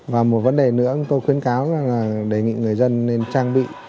và một vấn đề nữa tôi khuyến cáo là đề nghị người dân nên trang bị